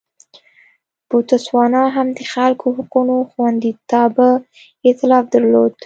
بوتسوانا هم د خلکو حقونو خوندیتابه اېتلاف درلود.